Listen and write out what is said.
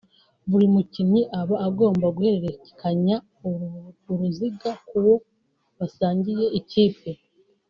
Buri mukinnyi aba agomba guhererekanya uruziga ku wo basangiye ikipe